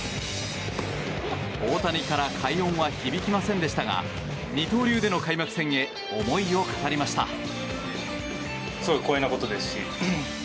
大谷から快音は響きませんでしたが二刀流での開幕戦へ思いを語りました。